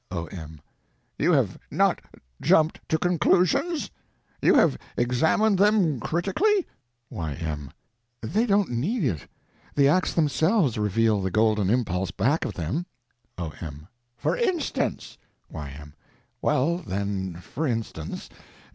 O.M. You have not jumped to conclusions? You have examined them—critically? Y.M. They don't need it: the acts themselves reveal the golden impulse back of them. O.M. For instance? Y.M. Well, then, for instance.